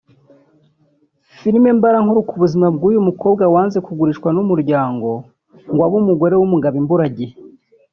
Filime mbarankuru ku buzima bw’uyu mukobwa wanze kugurishwa n’umuryango ngo abe umugore w’umugabo imburagihe